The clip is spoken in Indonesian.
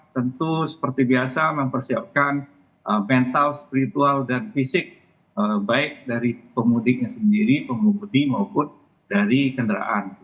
tentu seperti biasa mempersiapkan mental spiritual dan fisik baik dari pemudiknya sendiri pengemudi maupun dari kendaraan